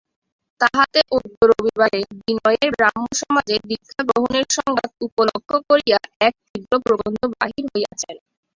তাহাতে অদ্য রবিবারে বিনয়ের ব্রাহ্মসমাজে দীক্ষাগ্রহণের সংবাদ উপলক্ষ করিয়া এক তীব্র প্রবন্ধ বাহির হইয়াছেন।